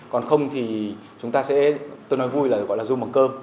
còn không thì chúng ta sẽ tôi nói vui là gọi là rum bằng cơm